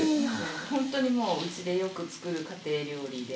ホントにもううちでよく作る家庭料理で。